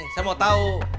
saya mau tahu